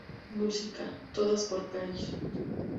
Música: todas por Þeyr.